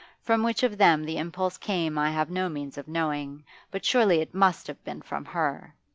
From which of them the impulse came I have no means of knowing, but surely it must have been from her.